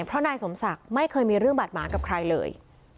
เพราะนายสมศักดิ์ไม่เคยมีเรื่องบาดหมางกับใครเลย